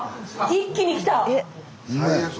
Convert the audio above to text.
一気に来た！